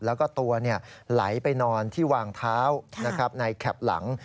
แล้วก็ตัวไหลไปนอนที่วางเท้าในแคปหลัง